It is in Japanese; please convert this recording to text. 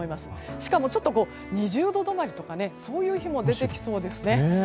しかもちょっと２０度止まりとかそういう日も出てきそうですね。